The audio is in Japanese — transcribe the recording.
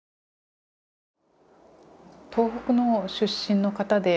東北の出身の方で。